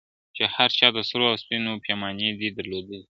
چي هر چا د سرو او سپینو پیمانې دي درلودلي ..